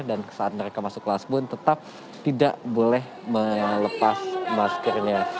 dan saat mereka masuk kelas pun tetap tidak boleh melepas maskernya